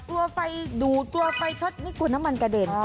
กลัวไฟดูดกลัวไฟช็อตนี่กลัวน้ำมันกระเด็น